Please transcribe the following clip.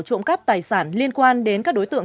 trộm cắp tài sản liên quan đến các đối tượng